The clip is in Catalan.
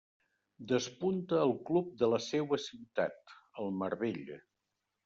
Despunta al club de la seua ciutat, el Marbella.